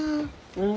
うん？